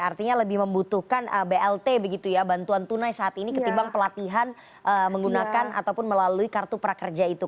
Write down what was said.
artinya lebih membutuhkan blt begitu ya bantuan tunai saat ini ketimbang pelatihan menggunakan ataupun melalui kartu prakerja itu